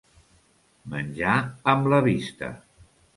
Menjar amb la vista.